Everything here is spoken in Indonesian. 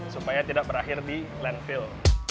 supaya tidak berakhir di landfill